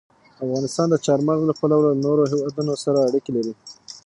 افغانستان د چار مغز له پلوه له نورو هېوادونو سره اړیکې لري.